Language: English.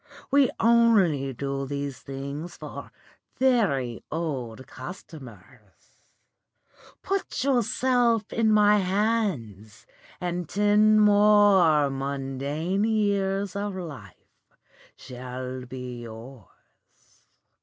We only do these things for very old customers. Put yourself in my hands and ten more mundane years of life shall be yours.